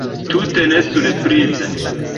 Tute ne surprize.